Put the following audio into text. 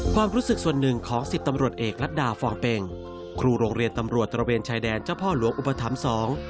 ความรู้สึกส่วนหนึ่งของสิบตำรวจเอกรัฐดาฟองเป็งครูโรงเรียนตำรวจตระเวนชายแดนเจ้าพ่อหลวงอุปถัมภ์สอง